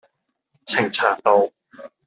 呈祥道